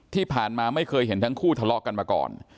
ที่ผ่านมาไม่เคยเห็นทั้งคู่ทะเลาะกันมาก่อน